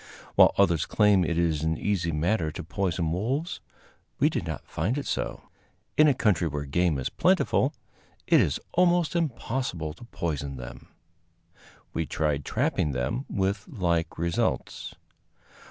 While others claim it is an easy matter to poison wolves, we did not find it so. In a country where game is plentiful, it is almost impossible to poison them. We tried trapping them, with like results.